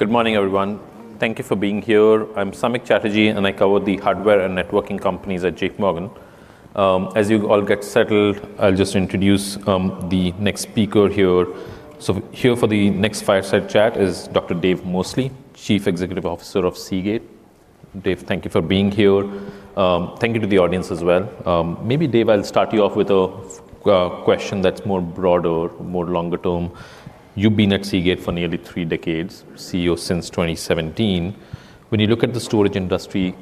Good morning, everyone. Thank you for being here. I'm Samik Chatterjee. I cover the hardware and networking companies at JPMorgan. As you all get settled, I'll just introduce the next speaker here. Here for the next fireside chat is Dr. Dave Mosley, Chief Executive Officer of Seagate. Dave, thank you for being here. Thank you to the audience as well. Maybe, Dave, I'll start you off with a question that's more broader, more longer term. You've been at Seagate for nearly three decades, CEO since 2017. When you look at the storage industry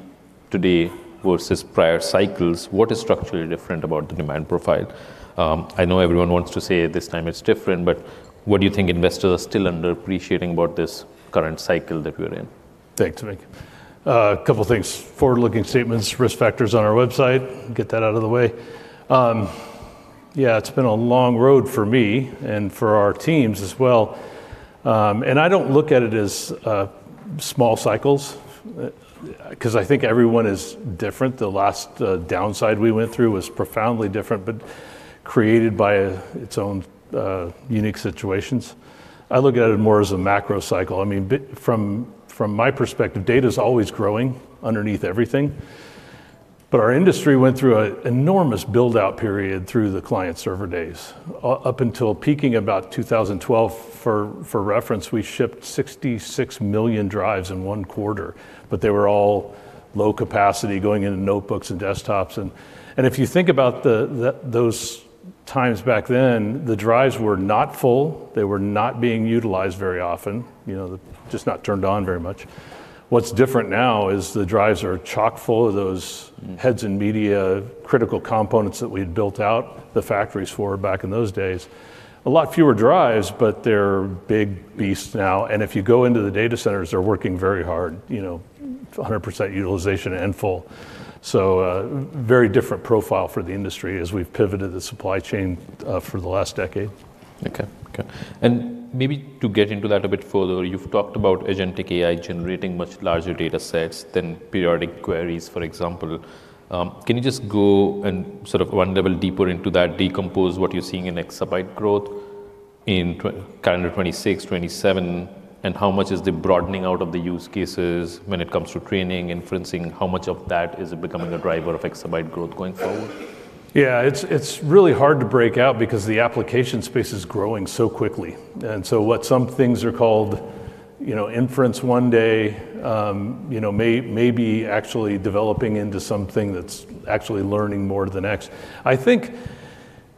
today versus prior cycles, what is structurally different about the demand profile? I know everyone wants to say this time it's different. What do you think investors are still underappreciating about this current cycle that we're in? Thanks, Samik. A couple things. Forward-looking statements, risk factors on our website. Get that out of the way. Yeah, it's been a long road for me and for our teams as well. I don't look at it as small cycles, 'cause I think every one is different. The last downside we went through was profoundly different, created by its own unique situations. I look at it more as a macro cycle. I mean, from my perspective, data's always growing underneath everything. Our industry went through a enormous build-out period through the client server days, up until peaking about 2012. For reference, we shipped 66 million drives in one quarter, they were all low capacity going into notebooks and desktops. If you think about those times back then, the drives were not full. They were not being utilized very often, you know, just not turned on very much. What's different now is the drives are chock-full of those heads and media critical components that we'd built out the factories for back in those days. A lot fewer drives, but they're big beasts now. If you go into the data centers, they're working very hard, you know, 100% utilization and full. Very different profile for the industry as we've pivoted the supply chain for the last decade. Okay. Okay. Maybe to get into that a bit further, you've talked about agentic AI generating much larger data sets than periodic queries, for example. Can you just go and sort of one level deeper into that, decompose what you're seeing in exabyte growth in calendar 2026, 2027, and how much is the broadening out of the use cases when it comes to training, inferencing? How much of that is becoming a driver of exabyte growth going forward? Yeah, it's really hard to break out because the application space is growing so quickly. What some things are called, you know, inference one day, you know, may be actually developing into something that's actually learning more the next. I think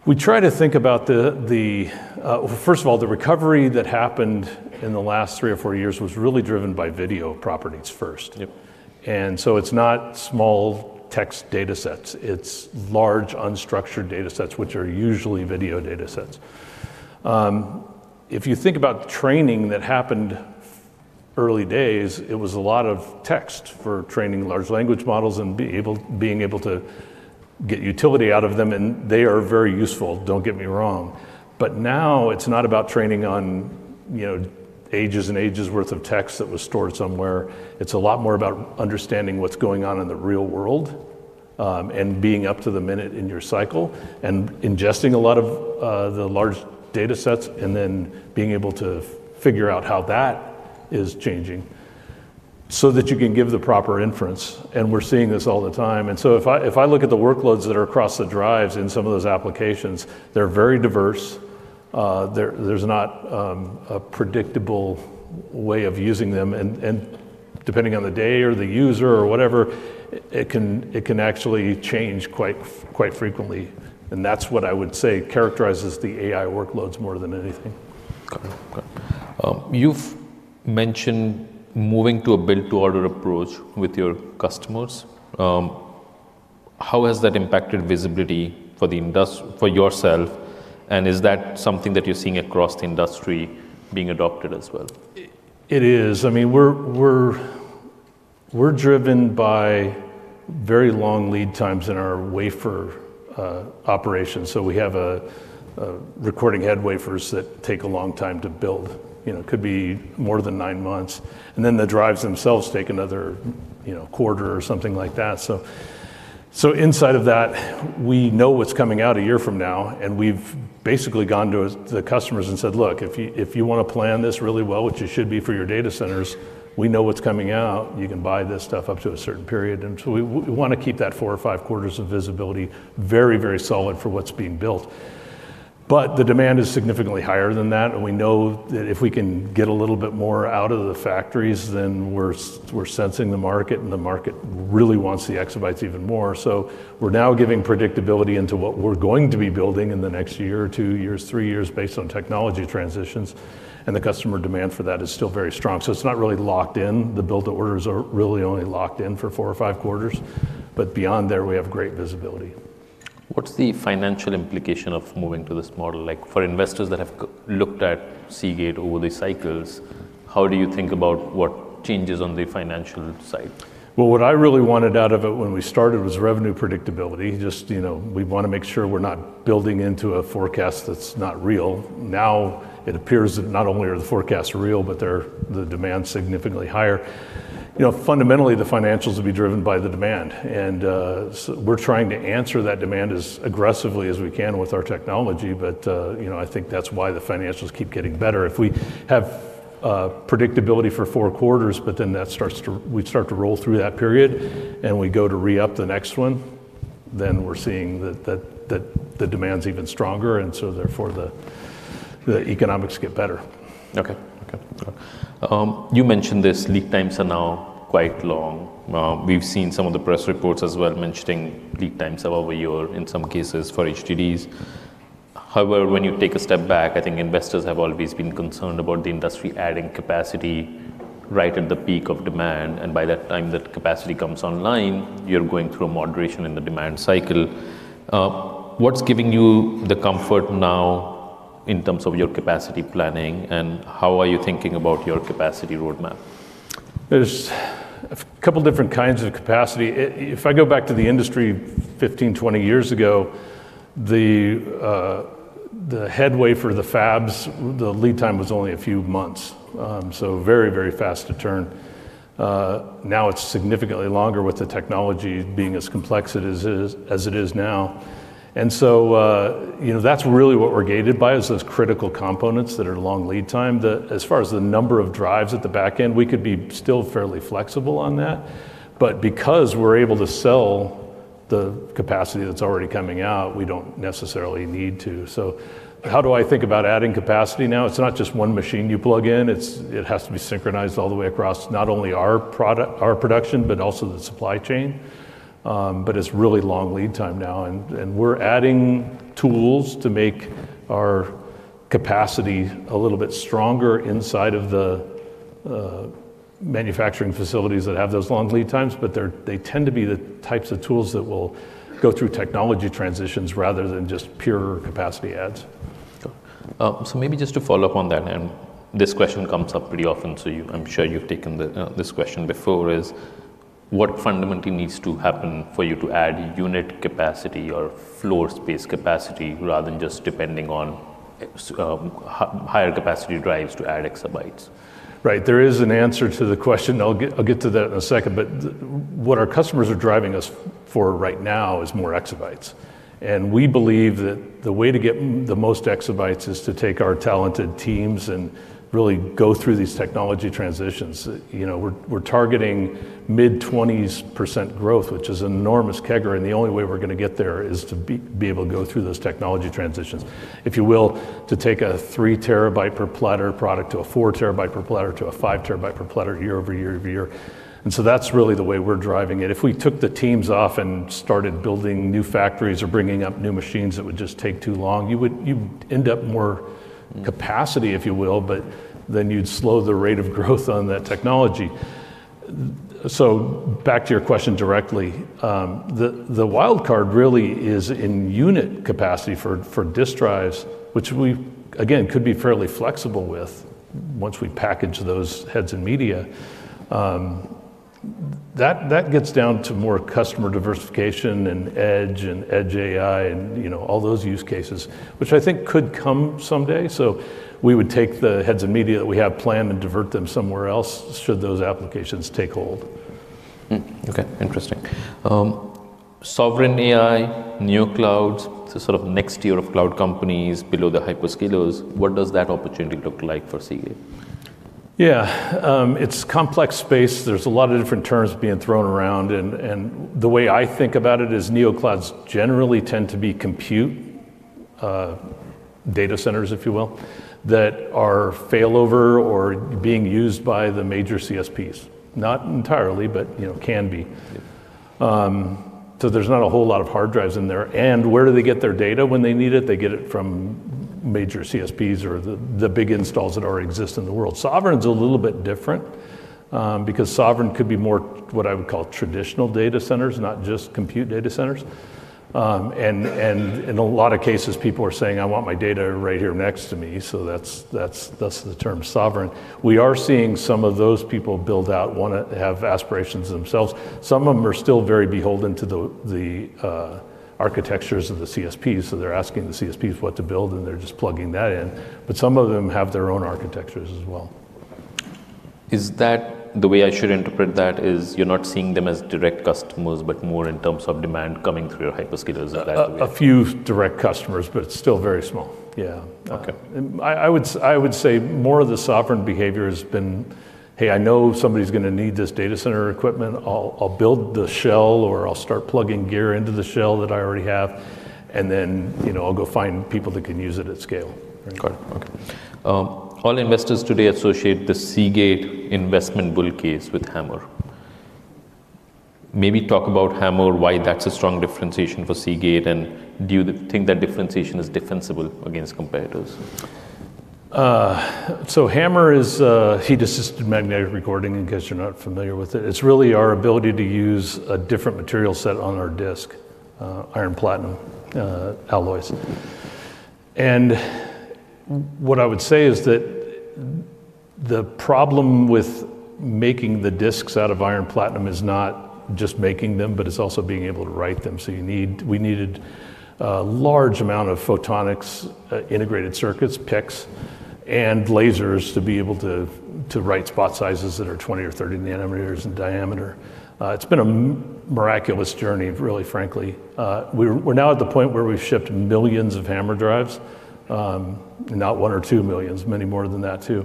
we try to think about the First of all, the recovery that happened in the last three or four years was really driven by video properties first. Yep. It's not small text data sets. It's large unstructured data sets, which are usually video data sets. If you think about the training that happened early days, it was a lot of text for training large language models and being able to get utility out of them, and they are very useful, don't get me wrong. Now it's not about training on, you know, ages and ages worth of text that was stored somewhere. It's a lot more about understanding what's going on in the real world, and being up to the minute in your cycle and ingesting a lot of the large data sets and then being able to figure out how that is changing so that you can give the proper inference, and we're seeing this all the time. If I look at the workloads that are across the drives in some of those applications, they're very diverse. There's not a predictable way of using them, and depending on the day or the user or whatever, it can actually change quite frequently, and that's what I would say characterizes the AI workloads more than anything. Okay. Okay. You've mentioned moving to a build-to-order approach with your customers. How has that impacted visibility for the industry for yourself, and is that something that you're seeing across the industry being adopted as well? It is. I mean, we're driven by very long lead times in our wafer operations, so we have recording head wafers that take a long time to build, you know, could be more than nine months. The drives themselves take another, you know, quarter or something like that. Inside of that, we know what's coming out a year from now, and we've basically gone to the customers and said, "Look, if you wanna plan this really well, which you should be for your data centers, we know what's coming out. You can buy this stuff up to a certain period." We wanna keep that four or five quarters of visibility very, very solid for what's being built. The demand is significantly higher than that. We know that if we can get a little bit more out of the factories, we're sensing the market. The market really wants the exabytes even more. We're now giving predictability into what we're going to be building in the next year or two years, three years based on technology transitions. The customer demand for that is still very strong. It's not really locked in. The build-to-orders are really only locked in for four or five quarters. Beyond there we have great visibility. What's the financial implication of moving to this model? Like, for investors that have looked at Seagate over the cycles, how do you think about what changes on the financial side? Well, what I really wanted out of it when we started was revenue predictability. Just, you know, we wanna make sure we're not building into a forecast that's not real. Now it appears that not only are the forecasts real, but the demand's significantly higher. You know, fundamentally, the financials will be driven by the demand. We're trying to answer that demand as aggressively as we can with our technology. You know, I think that's why the financials keep getting better. If we have predictability for four quarters, but then we start to roll through that period, and we go to re-up the next one, then we're seeing that the demand's even stronger, and so therefore the economics get better. Okay. Okay. You mentioned this, lead times are now quite long. We've seen some of the press reports as well mentioning lead times are over one year in some cases for HDDs. However, when you take a step back, I think investors have always been concerned about the industry adding capacity right at the peak of demand, and by that time the capacity comes online, you're going through a moderation in the demand cycle. What's giving you the comfort now in terms of your capacity planning, and how are you thinking about your capacity roadmap? There's a couple different kinds of capacity. If I go back to the industry 15, 20 years ago, the headway for the fabs, the lead time was only a few months. Very, very fast to turn. Now it's significantly longer with the technology being as complex it is as it is now. You know, that's really what we're gated by is those critical components that are long lead time. As far as the number of drives at the back end, we could be still fairly flexible on that. Because we're able to sell the capacity that's already coming out, we don't necessarily need to. How do I think about adding capacity now? It's not just one machine you plug in, it has to be synchronized all the way across not only our production, but also the supply chain. It's really long lead time now and we're adding tools to make our capacity a little bit stronger inside of the manufacturing facilities that have those long lead times, but they tend to be the types of tools that will go through technology transitions rather than just pure capacity adds. Maybe just to follow up on that, and this question comes up pretty often, so I'm sure you've taken this question before, is what fundamentally needs to happen for you to add unit capacity or floor space capacity rather than just depending on higher capacity drives to add exabytes? Right. There is an answer to the question. I'll get to that in a second. What our customers are driving us for right now is more exabytes. We believe that the way to get the most exabytes is to take our talented teams and really go through these technology transitions. You know, we're targeting mid-20s% growth, which is enormous CAGR, the only way we're gonna get there is to be able to go through those technology transitions. If you will, to take a 3 TB per platter product to a 4 TB per platter to a 5 TB per platter year over year over year. That's really the way we're driving it. If we took the teams off and started building new factories or bringing up new machines, it would just take too long. You'd end up more capacity, if you will, you'd slow the rate of growth on that technology. Back to your question directly, the wild card really is in unit capacity for disk drives, which we, again, could be fairly flexible with once we package those heads and media. That gets down to more customer diversification and edge AI and, you know, all those use cases, which I think could come someday. We would take the heads and media that we have planned and divert them somewhere else should those applications take hold. Okay. Interesting. sovereign AI, neoclouds, the sort of next tier of cloud companies below the hyperscalers, what does that opportunity look like for Seagate? Yeah. It's complex space. There's a lot of different terms being thrown around. The way I think about it is neoclouds generally tend to be compute, data centers, if you will, that are failover or being used by the major CSPs. Not entirely, you know, can be. There's not a whole lot of hard drives in there. Where do they get their data when they need it? They get it from major CSPs or the big installs that already exist in the world. Sovereign's a little bit different, because Sovereign could be more what I would call traditional data centers, not just compute data centers. In a lot of cases, people are saying, "I want my data right here next to me." That's the term Sovereign. We are seeing some of those people build out, wanna have aspirations themselves. Some of them are still very beholden to the architectures of the CSPs, so they're asking the CSPs what to build, and they're just plugging that in. Some of them have their own architectures as well. Is that the way I should interpret that, is you're not seeing them as direct customers, but more in terms of demand coming through your hyperscalers directly? A few direct customers, but it's still very small. Yeah. Okay. I would say more of the sovereign behavior has been, "Hey, I know somebody's gonna need this data center equipment. I'll build the shell, or I'll start plugging gear into the shell that I already have, and then, you know, I'll go find people that can use it at scale. Got it. Okay. All investors today associate the Seagate investment bull case with HAMR. Maybe talk about HAMR, why that's a strong differentiation for Seagate, and do you think that differentiation is defensible against competitors? HAMR is heat-assisted magnetic recording, in case you're not familiar with it. It's really our ability to use a different material set on our disk, iron platinum alloys. What I would say is that the problem with making the disks out of iron platinum is not just making them, but it's also being able to write them. We needed a large amount of photonics, integrated circuits, PICs, and lasers to be able to write spot sizes that are 20 nm or 30 nm in diameter. It's been a miraculous journey, really, frankly. We're now at the point where we've shipped millions of HAMR drives, not 1 million or 2 million, many more than that too.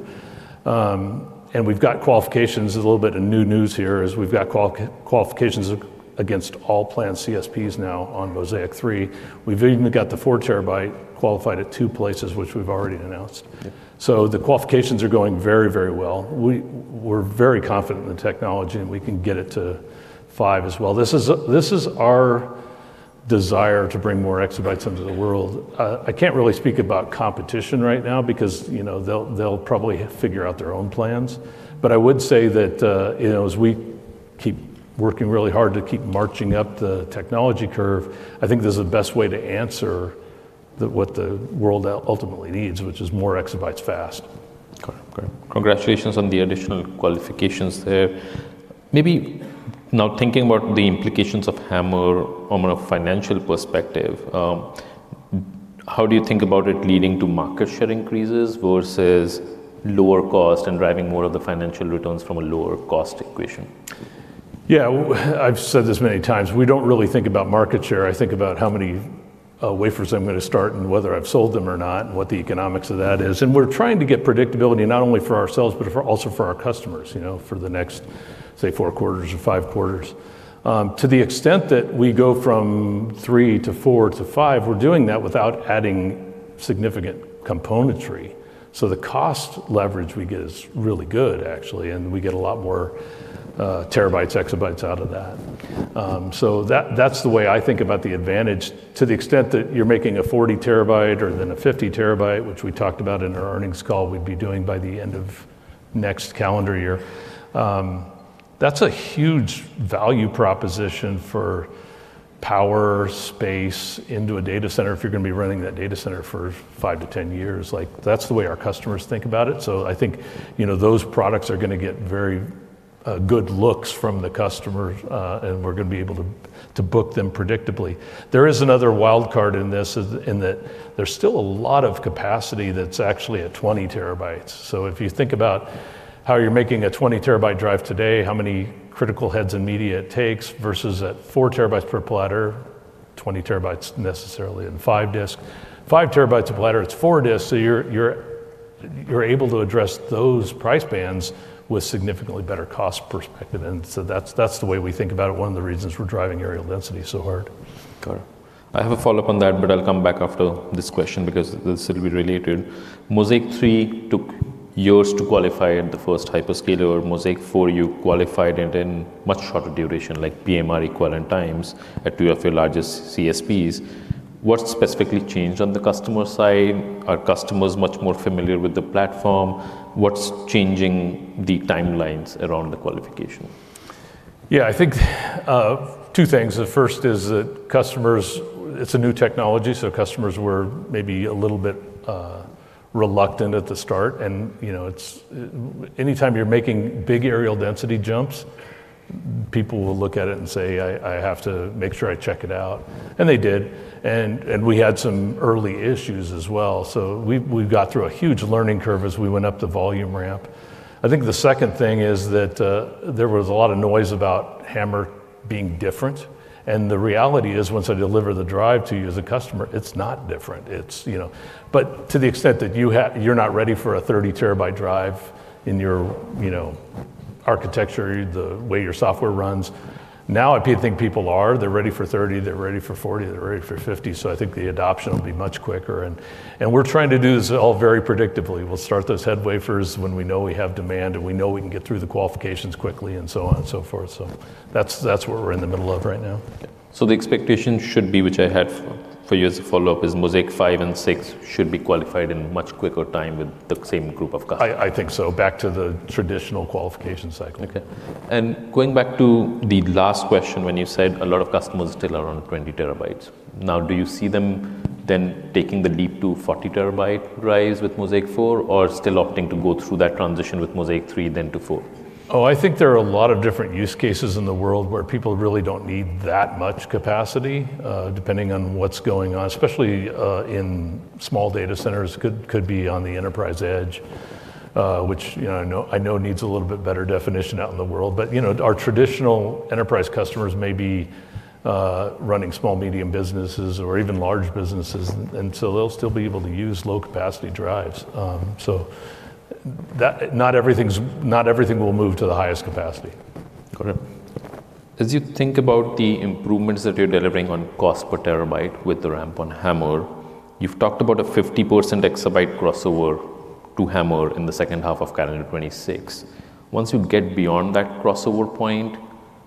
We've got qualifications, a little bit of new news here, is we've got qualifications against all planned CSPs now on Mozaic 3+. We've even got the 4 TB qualified at two places, which we've already announced. Yeah. The qualifications are going very well. We're very confident in the technology, and we can get it to five as well. This is our desire to bring more exabytes into the world. I can't really speak about competition right now because, you know, they'll probably figure out their own plans. I would say that, you know, as we keep working really hard to keep marching up the technology curve, I think this is the best way to answer what the world ultimately needs, which is more exabytes fast. Okay. Great. Congratulations on the additional qualifications there. Maybe now thinking about the implications of HAMR from a financial perspective, how do you think about it leading to market share increases versus lower cost and driving more of the financial returns from a lower cost equation? Yeah. I've said this many times. We don't really think about market share. I think about how many wafers I'm gonna start and whether I've sold them or not, and what the economics of that is. We're trying to get predictability not only for ourselves, but for, also for our customers, you know, for the next, say, four quarters or five quarters. To the extent that we go from three to four to five, we're doing that without adding significant componentry. The cost leverage we get is really good, actually, and we get a lot more terabytes, exabytes out of that. So that's the way I think about the advantage to the extent that you're making a 40 TB or then a 50 TB, which we talked about in our earnings call we'd be doing by the end of next calendar year. That's a huge value proposition for power, space into a data center if you're gonna be running that data center for 5-10 years. Like, that's the way our customers think about it. I think, you know, those products are gonna get very good looks from the customers, and we're gonna be able to book them predictably. There is another wild card in this, in that there's still a lot of capacity that's actually at 20 TB. If you think about how you're making a 20 TB drive today, how many critical heads and media it takes versus at 4 TB per platter, 20 TB necessarily in 5 disk. 5 TB a platter, it's 4 disk, so you're able to address those price bands with significantly better cost perspective. That's the way we think about it, one of the reasons we're driving areal density so hard. Got it. I have a follow-up on that, but I'll come back after this question because this will be related. Mozaic 3+ took years to qualify at the first hyperscaler. Mozaic 4+, you qualified it in much shorter duration, like PMR equivalent times at two of your largest CSPs. What specifically changed on the customer side? Are customers much more familiar with the platform? What's changing the timelines around the qualification? Yeah. I think two things. The first is that customers, it's a new technology, so customers were maybe a little bit reluctant at the start. You know, anytime you're making big areal density jumps, people will look at it and say, "I have to make sure I check it out." They did. We had some early issues as well. We've got through a huge learning curve as we went up the volume ramp. I think the second thing is that there was a lot of noise about HAMR being different. The reality is, once I deliver the drive to you as a customer, it's not different. It's, you know. To the extent that you're not ready for a 30 TB drive in your, you know, architecture, the way your software runs. Now I think people are. They're ready for 30, they're ready for 40, they're ready for 50. I think the adoption will be much quicker and we're trying to do this all very predictably. We'll start those head wafers when we know we have demand, and we know we can get through the qualifications quickly, and so on and so forth. That's what we're in the middle of right now. Yeah. The expectation should be, which I had for you as a follow-up, is Mozaic 5 and Mozaic 6 should be qualified in much quicker time with the same group of customers? I think so, back to the traditional qualification cycle. Okay. Going back to the last question when you said a lot of customers still are on 20 TB. Now, do you see them then taking the leap to 40 TB rise with Mozaic 4+, or still opting to go through that transition with Mozaic 3+, then to Mozaic 4+? I think there are a lot of different use cases in the world where people really don't need that much capacity, depending on what's going on, especially in small data centers. Could be on the enterprise edge, which, you know, I know needs a little bit better definition out in the world. You know, our traditional enterprise customers may be running small, medium businesses or even large businesses, they'll still be able to use low capacity drives. Not everything will move to the highest capacity. Okay. As you think about the improvements that you're delivering on cost per terabyte with the ramp on HAMR, you've talked about a 50% exabyte crossover to HAMR in the second half of calendar 2026. Once you get beyond that crossover point,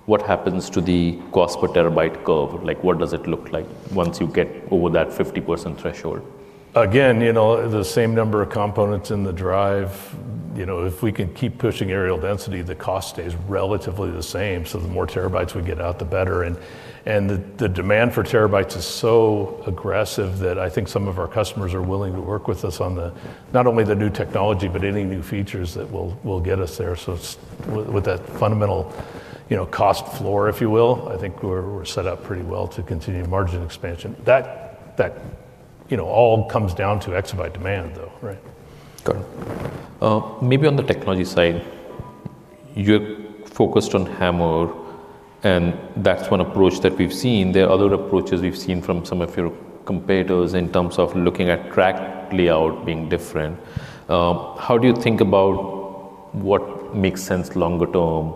what happens to the cost per terabyte curve? Like, what does it look like once you get over that 50% threshold? Again, you know, the same number of components in the drive. You know, if we can keep pushing areal density, the cost stays relatively the same. The more terabytes we get out, the better. The demand for terabytes is so aggressive that I think some of our customers are willing to work with us on the, not only the new technology, but any new features that will get us there. With that fundamental, you know, cost floor, if you will, I think we're set up pretty well to continue margin expansion. That, you know, all comes down to exabyte demand though, right? Got it. Maybe on the technology side, you're focused on HAMR, and that's one approach that we've seen. There are other approaches we've seen from some of your competitors in terms of looking at track layout being different. How do you think about what makes sense longer term?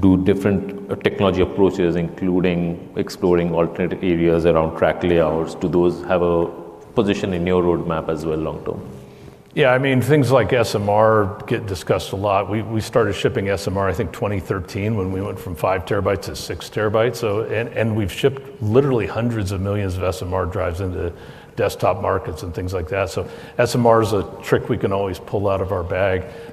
Do different technology approaches, including exploring alternative areas around track layouts, do those have a position in your roadmap as well long term? Yeah, I mean, things like SMR get discussed a lot. We started shipping SMR, I think, 2013 when we went from 5 TB to 6 TBs. And we've shipped literally hundreds of millions of SMR drives into desktop markets and things like that.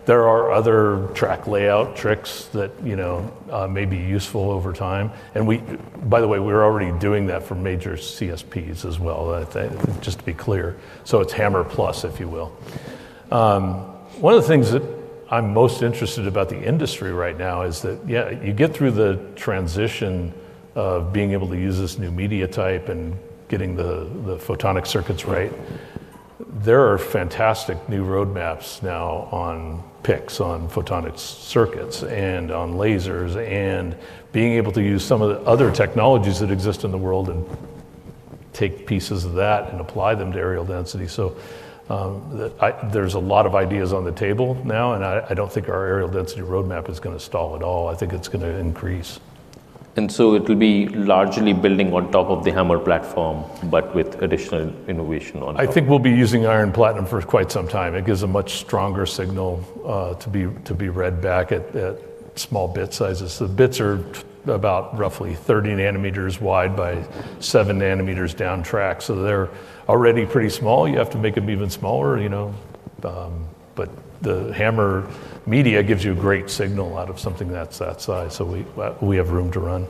There are other track layout tricks that, you know, may be useful over time, and we're already doing that for major CSPs as well, I think, just to be clear. It's HAMR Plus, if you will. One of the things that I'm most interested about the industry right now is that, yeah, you get through the transition of being able to use this new media type and getting the photonic circuits right. There are fantastic new roadmaps now on PICs, on photonic circuits, and on lasers, and being able to use some of the other technologies that exist in the world and take pieces of that and apply them to areal density. There's a lot of ideas on the table now, and I don't think our areal density roadmap is gonna stall at all. I think it's gonna increase. It will be largely building on top of the HAMR platform, but with additional innovation on top. I think we'll be using iron-platinum for quite some time. It gives a much stronger signal to be read back at small bit sizes. The bits are about roughly 30 nm wide by 7 nm down track, so they're already pretty small. You have to make them even smaller, you know, the HAMR media gives you a great signal out of something that's that size. We have room to run.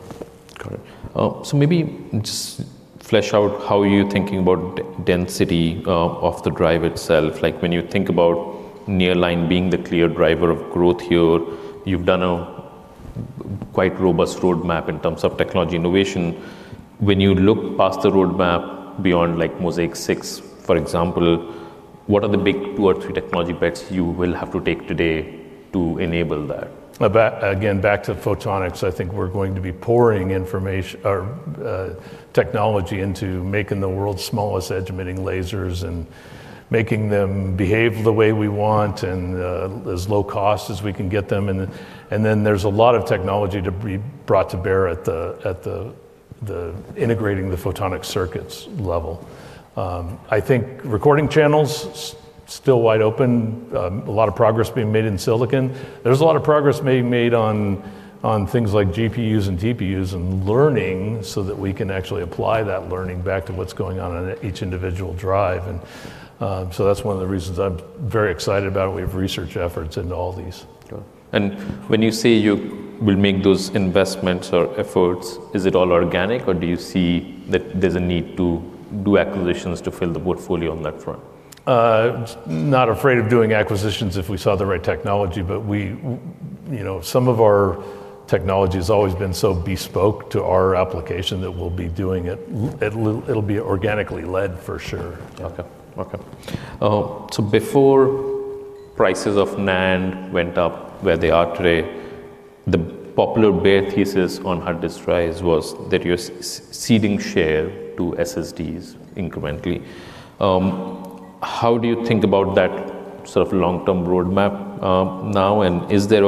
Got it. Maybe just flesh out how you're thinking about density of the drive itself. Like, when you think about nearline being the clear driver of growth here, you've done a quite robust roadmap in terms of technology innovation. When you look past the roadmap beyond, like, Mozaic 6, for example, what are the big two or three technology bets you will have to take today to enable that? Again, back to photonics, I think we're going to be pouring technology into making the world's smallest edge-emitting lasers and making them behave the way we want and as low cost as we can get them. Then there's a lot of technology to be brought to bear at the integrating the photonic circuits level. I think recording channels still wide open. A lot of progress being made in silicon. There's a lot of progress being made on things like GPUs and TPUs and learning so that we can actually apply that learning back to what's going on on each individual drive. That's one of the reasons I'm very excited about we have research efforts into all these. Got it. When you say you will make those investments or efforts, is it all organic, or do you see that there's a need to do acquisitions to fill the portfolio on that front? We're not afraid of doing acquisitions if we saw the right technology. We, you know, some of our technology has always been so bespoke to our application that we'll be doing it. It'll be organically led for sure. Before prices of NAND went up where they are today, the popular bear thesis on hard disk drives was that you're ceding share to SSDs incrementally. How do you think about that sort of long-term roadmap, now, and is there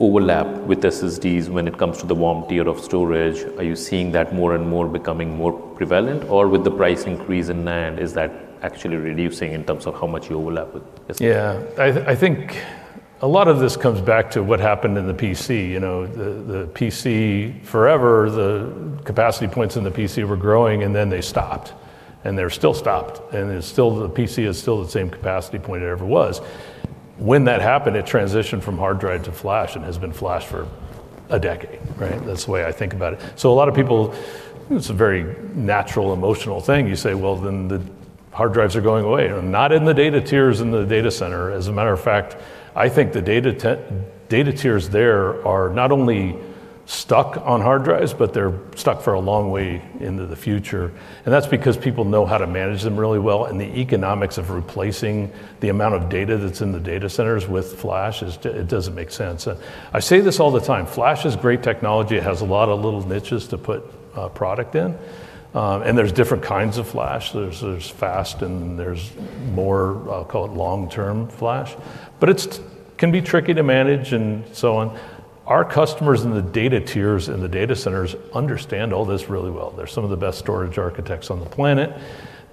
overlap with SSDs when it comes to the warm tier of storage? Are you seeing that more and more becoming more prevalent? Or with the price increase in NAND, is that actually reducing in terms of how much you overlap with SSDs? I think a lot of this comes back to what happened in the PC. You know, the PC forever, the capacity points in the PC were growing, and then they stopped, and they're still stopped, and it's still, the PC is still the same capacity point it ever was. When that happened, it transitioned from hard drive to flash and has been flash for a decade, right? That's the way I think about it. A lot of people, it's a very natural, emotional thing. You say, "Well, then the hard drives are going away." Not in the data tiers in the data center. As a matter of fact, I think the data tiers there are not only stuck on hard drives, but they're stuck for a long way into the future, and that's because people know how to manage them really well, and the economics of replacing the amount of data that's in the data centers with flash, it doesn't make sense. I say this all the time. Flash is great technology. It has a lot of little niches to put product in. There's different kinds of flash. There's fast and there's more, I'll call it long-term flash. Can be tricky to manage and so on. Our customers in the data tiers in the data centers understand all this really well. They're some of the best storage architects on the planet.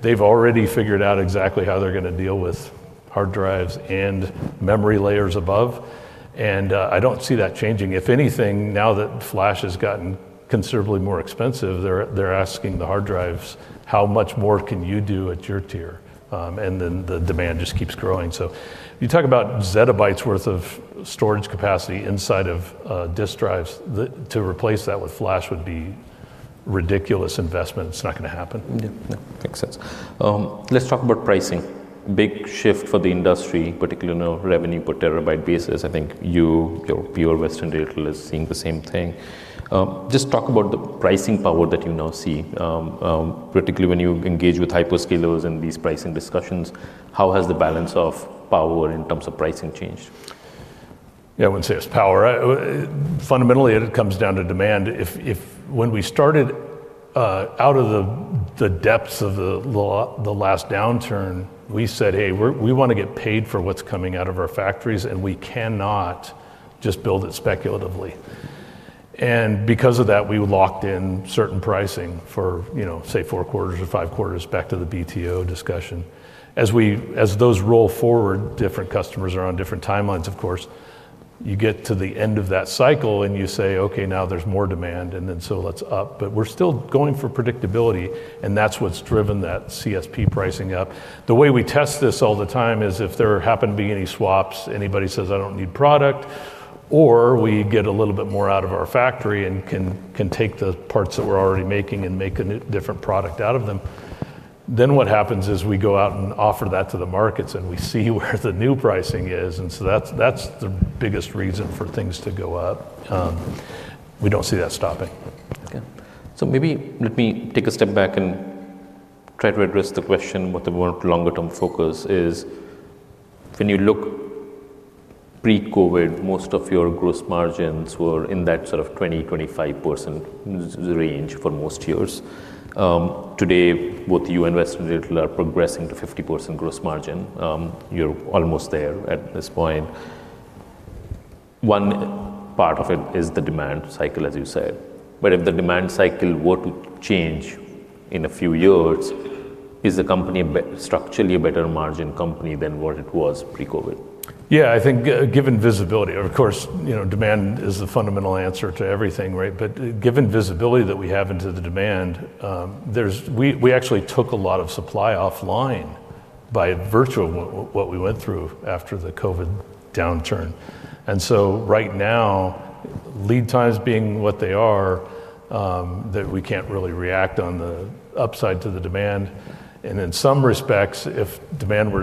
They've already figured out exactly how they're gonna deal with hard drives and memory layers above. I don't see that changing. If anything, now that flash has gotten considerably more expensive, they're asking the hard drives, "How much more can you do at your tier?" The demand just keeps growing. You talk about zettabytes worth of storage capacity inside of disk drives. To replace that with flash would be ridiculous investment. It's not gonna happen. Yeah. No, makes sense. Let's talk about pricing. Big shift for the industry, particularly now revenue per terabyte basis. I think you, your peer Western Digital is seeing the same thing. Just talk about the pricing power that you now see, particularly when you engage with hyperscalers in these pricing discussions. How has the balance of power in terms of pricing changed? Yeah, I wouldn't say it's power. Fundamentally, it comes down to demand. If when we started out of the depths of the last downturn, we said, "Hey, we wanna get paid for what's coming out of our factories, we cannot just build it speculatively." Because of that, we locked in certain pricing for, you know, say, four quarters or five quarters back to the BTO discussion. As those roll forward, different customers are on different timelines, of course. You get to the end of that cycle you say, "Okay, now there's more demand, then let's up." We're still going for predictability, and that's what's driven that CSP pricing up. The way we test this all the time is if there happen to be any swaps, anybody says, "I don't need product," or we get a little bit more out of our factory and can take the parts that we're already making and make a new different product out of them, then what happens is we go out and offer that to the markets, and we see where the new pricing is. That's the biggest reason for things to go up. We don't see that stopping. Maybe let me take a step back and try to address the question what the more longer term focus is. When you look pre-COVID, most of your gross margins were in that sort of 20%-25% range for most years. Today, both you and Western Digital are progressing to 50% gross margin. You're almost there at this point. One part of it is the demand cycle, as you said. If the demand cycle were to change in a few years, is the company structurally a better margin company than what it was pre-COVID? Yeah, I think given visibility, of course, you know, demand is the fundamental answer to everything, right? Given visibility that we have into the demand, We actually took a lot of supply offline by virtue of what we went through after the COVID downturn. Right now, lead times being what they are, that we can't really react on the upside to the demand. In some respects, if demand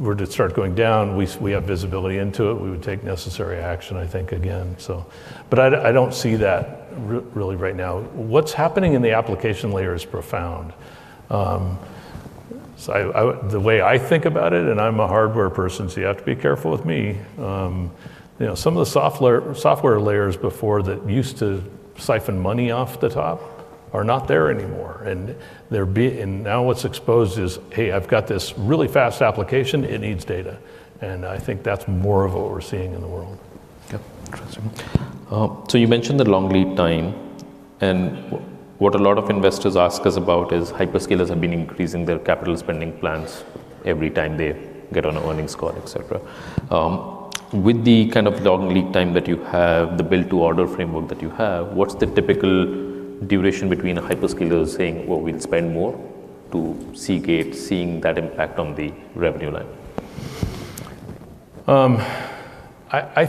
were to start going down, we have visibility into it. We would take necessary action, I think, again. I don't see that really right now. What's happening in the application layer is profound. The way I think about it, and I'm a hardware person, so you have to be careful with me. You know, some of the software layers before that used to siphon money off the top are not there anymore. Now what's exposed is, hey, I've got this really fast application, it needs data, and I think that's more of what we're seeing in the world. Okay. Interesting. What a lot of investors ask us about is hyperscalers have been increasing their capital spending plans every time they get on an earnings call, et cetera. With the kind of long lead time that you have, the build-to-order framework that you have, what's the typical duration between a hyperscaler saying, "Well, we'll spend more," to Seagate seeing that impact on the revenue line? I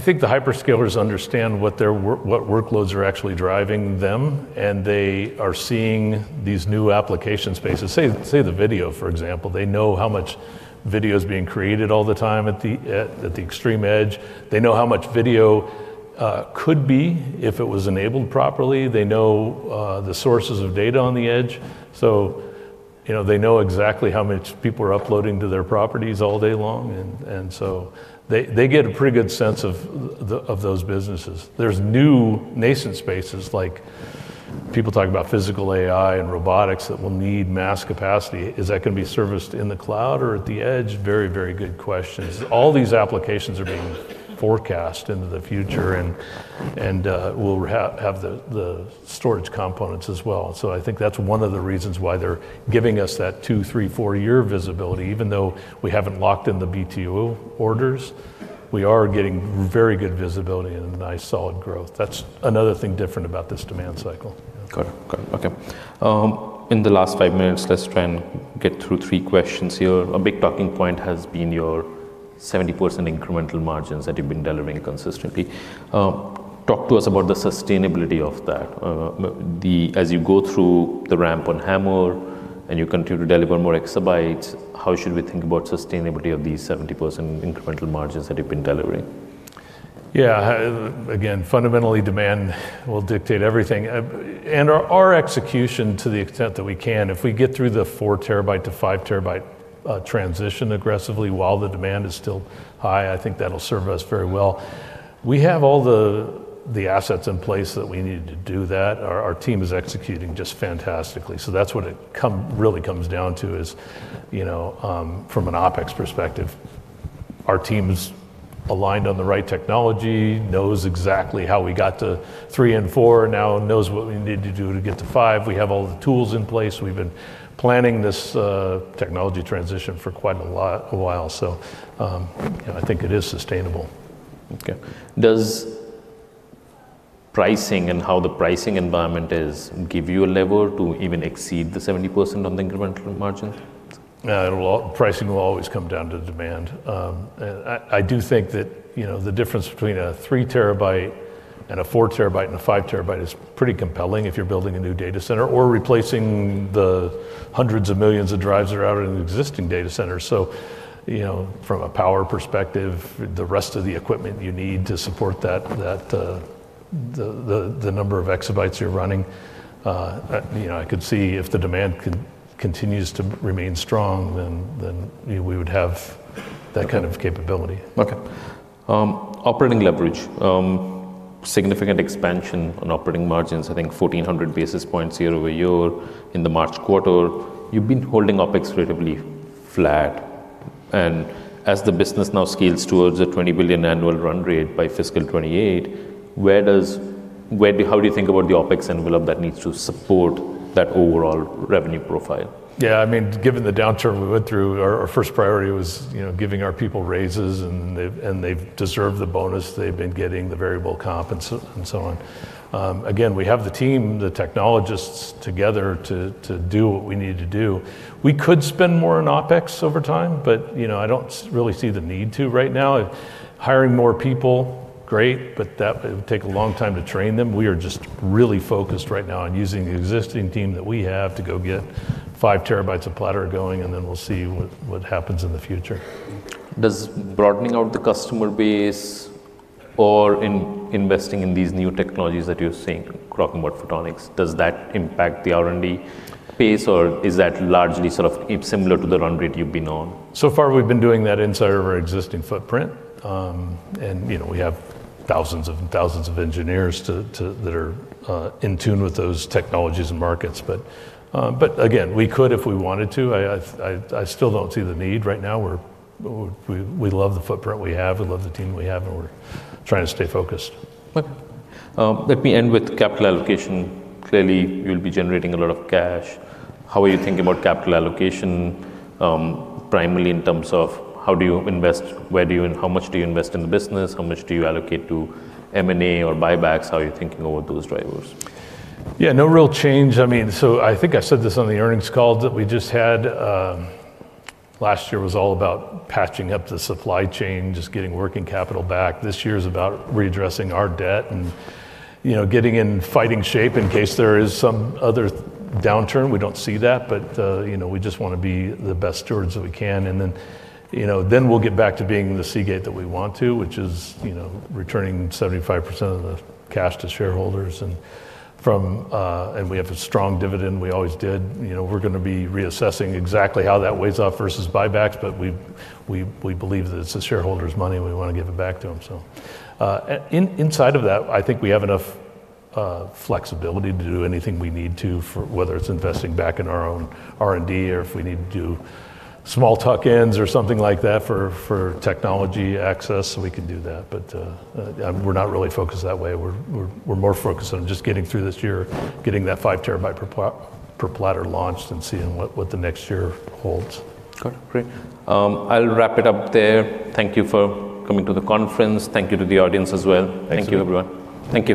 think the hyperscalers understand what workloads are actually driving them, they are seeing these new application spaces. Say the video, for example. They know how much video is being created all the time at the extreme edge. They know how much video could be if it was enabled properly. They know the sources of data on the edge. You know, they know exactly how much people are uploading to their properties all day long. They get a pretty good sense of those businesses. There's new nascent spaces like people talking about physical AI and robotics that will need mass capacity. Is that gonna be serviced in the cloud or at the edge? Very good questions. All these applications are being forecast into the future and we'll have the storage components as well. I think that's one of the reasons why they're giving us that two, three, four-year visibility. Even though we haven't locked in the BTO orders, we are getting very good visibility and a nice, solid growth. That's another thing different about this demand cycle. Got it. Got it. Okay. In the last five minutes, let's try and get through three questions here. A big talking point has been your 70% incremental margins that you've been delivering consistently. As you go through the ramp on HAMR and you continue to deliver more exabytes, how should we think about sustainability of these 70% incremental margins that you've been delivering? Yeah. Again, fundamentally, demand will dictate everything. Our execution to the extent that we can, if we get through the 4 TB to 5 TB transition aggressively while the demand is still high, I think that'll serve us very well. We have all the assets in place that we need to do that. Our team is executing just fantastically. That's what it really comes down to is, you know, from an OpEx perspective. Our team's aligned on the right technology, knows exactly how we got to 3 TB and 4 TB, now knows what we need to do to get to 5 TB. We have all the tools in place. We've been planning this technology transition for quite a while. You know, I think it is sustainable. Okay. Does pricing and how the pricing environment is give you a lever to even exceed the 70% on the incremental margin? Yeah, pricing will always come down to demand. I do think that, you know, the difference between a 3 TB and a 4 TB and a 5 TB is pretty compelling if you're building a new data center or replacing the hundreds of millions of drives that are out in an existing data center. From a power perspective, the rest of the equipment you need to support that, the number of exabytes you're running, you know, I could see if the demand continues to remain strong, then, you know, we would have that kind of capability. Okay. operating leverage. significant expansion on operating margins, I think 1,400 basis points year-over-year in the March quarter. You've been holding OpEx relatively flat. As the business now scales towards a $20 billion annual run rate by fiscal 2028, how do you think about the OpEx envelope that needs to support that overall revenue profile? I mean, given the downturn we went through, our first priority was, you know, giving our people raises and they've deserved the bonus they've been getting, the variable comp and so, and so on. Again, we have the team, the technologists together to do what we need to do. We could spend more on OpEx over time, but, you know, I don't really see the need to right now. Hiring more people, great, but that would take a long time to train them. We are just really focused right now on using the existing team that we have to go get 5 TB of platter going, and then we'll see what happens in the future. Does broadening out the customer base or investing in these new technologies that you're seeing, talking about photonics, does that impact the R&D pace or is that largely sort of similar to the run rate you've been on? Far, we've been doing that inside of our existing footprint. And you know, we have thousands of thousands of engineers that are in tune with those technologies and markets. Again, we could if we wanted to. I still don't see the need right now. We love the footprint we have, we love the team we have, and we're trying to stay focused. Okay. Let me end with capital allocation. Clearly, you'll be generating a lot of cash. How are you thinking about capital allocation, primarily in terms of how do you invest, where do you and how much do you invest in the business? How much do you allocate to M&A or buybacks? How are you thinking about those drivers? Yeah, no real change. I mean, I think I said this on the earnings call that we just had, last year was all about patching up the supply chain, just getting working capital back. This year is about readdressing our debt, you know, getting in fighting shape in case there is some other downturn. We don't see that, you know, we just wanna be the best stewards that we can. Then, you know, we'll get back to being the Seagate that we want to, which is, you know, returning 75% of the cash to shareholders. We have a strong dividend, we always did. You know, we're gonna be reassessing exactly how that weighs off versus buybacks, we believe that it's the shareholders' money and we wanna give it back to them. Inside of that, I think we have enough flexibility to do anything we need to for whether it's investing back in our own R&D or if we need to do small tuck-ins or something like that for technology access, we can do that. We're not really focused that way. We're more focused on just getting through this year, getting that 5 TB per platter launched and seeing what the next year holds. Okay, great. I'll wrap it up there. Thank you for coming to the conference. Thank you to the audience as well. Thank you. Thank you, everyone. Thank you.